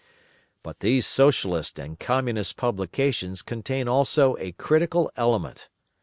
But these Socialist and Communist publications contain also a critical element.